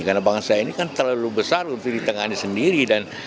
karena bangsa ini kan terlalu besar untuk ditangani sendiri